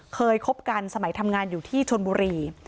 คบกันสมัยทำงานอยู่ที่ชนบุรี